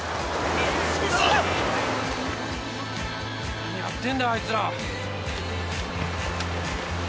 何やってんだあいつら？